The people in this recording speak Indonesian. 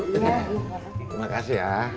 terima kasih ya